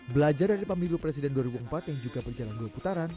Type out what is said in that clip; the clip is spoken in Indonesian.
belajar dari pemilu presiden dua ribu empat yang juga berjalan dua putaran